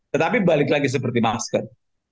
tetapi balik lagi seperti masker